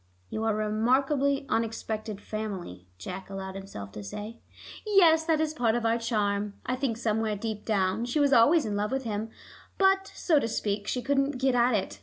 "You are a remarkably unexpected family," Jack allowed himself to say. "Yes; that is part of our charm. I think somewhere deep down she was always in love with him, but, so to speak, she couldn't get at it.